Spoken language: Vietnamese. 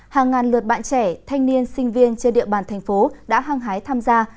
hàng ngàn lượt bạn trẻ thanh niên sinh viên trên địa bàn thành phố đã hăng hái tham gia